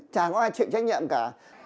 chẳng có ai chịu trách nhiệm cả